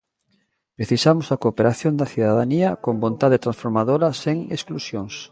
Precisamos a cooperación da cidadanía con vontade transformadora sen exclusións.